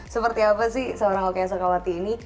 seperti apa sih seorang oke oke yang suka mati ini